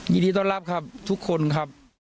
ยินดีต้อนรับครับทุกคนครับ